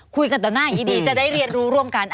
ต่อหน้าอย่างนี้ดีจะได้เรียนรู้ร่วมกัน